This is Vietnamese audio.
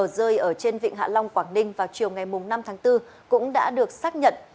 rơi ở trên vịnh hạ long quảng ninh vào chiều ngày năm tháng bốn cũng đã được xác nhận